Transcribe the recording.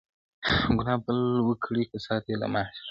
ګناه بل وکړي کسات یې له ما خېژي-